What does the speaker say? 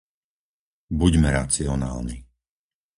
Buďme racionálni.